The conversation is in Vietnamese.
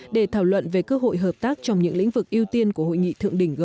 để thảo luận về cơ hội hợp tác trong những lĩnh vực ưu tiên của hội nghị thượng đỉnh g bảy